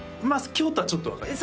京都はちょっと分かります